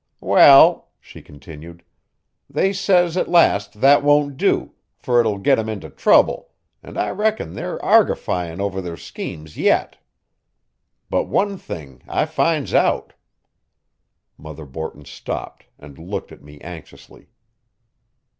"Well," she continued, "they says at last that won't do, fer it'll git 'em into trouble, and I reckon they're argyfying over their schemes yit. But one thing I finds out." Mother Borton stopped and looked at me anxiously.